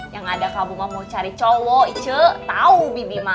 yang ada kabungan mau cari cowok icok tau bibi ma